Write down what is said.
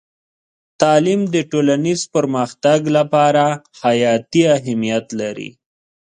تعلیم د ټولنیز پرمختګ لپاره حیاتي اهمیت لري.